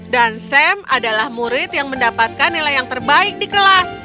dan sam adalah murid yang mendapatkan nilai yang terbaik di kelas